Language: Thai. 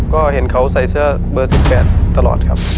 ก็เห็นเขาใส่เสื้อเบอร์๑๘ตลอดครับ